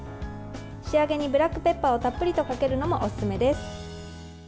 仕上げにブラックペッパーをたっぷりとかけるのもおすすめです。